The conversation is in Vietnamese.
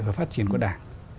và phát triển của đảng